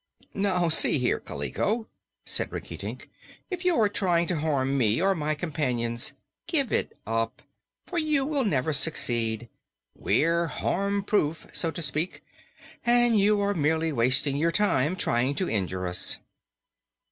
"Now, see here, Kaliko," said Rinkitink; "if you are trying to harm me or my companions, give it up, for you will never succeed. We're harm proof, so to speak, and you are merely wasting your time trying to injure us.